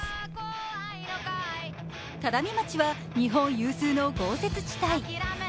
只見町は日本有数の豪雪地帯。